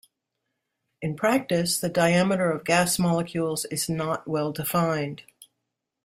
In practice, the diameter of gas molecules is not well defined.